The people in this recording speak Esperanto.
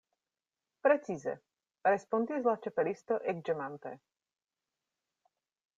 "Precize," respondis la Ĉapelisto, ekĝemante.